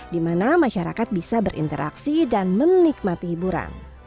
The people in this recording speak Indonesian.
di mana masyarakat bisa berinteraksi dan menikmati hiburan